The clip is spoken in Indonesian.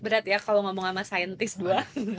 berat ya kalau ngomong sama saintis dua